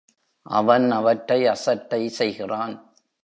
அவன் அவற்றை அசட்டை செய்கிறான்.